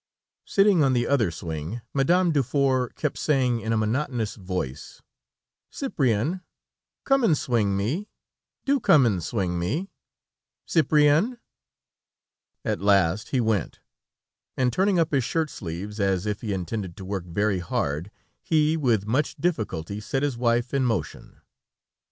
Sitting in the other swing, Madame Dufour kept saying in a monotonous voice: "Cyprian, come and swing me; do come and swing me, Cyprian!" At last he went, and turning up his shirt sleeves as if he intended to work very hard, he, with much difficulty set his wife in motion.